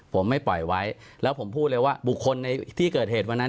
ผมไม่ปล่อยไว้แล้วผมพูดเลยว่าบุคคลในที่เกิดเหตุวันนั้น